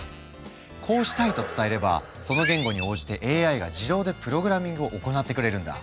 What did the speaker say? こうしたいと伝えればその言語に応じてＡＩが自動でプログラミングを行ってくれるんだ。